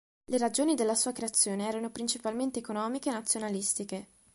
Le ragioni della sua creazione erano principalmente economiche e nazionalistiche.